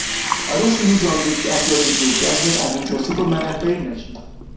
Other series on which he appeared include: "Dragnet", "Adventures of Superman", and "Perry Mason".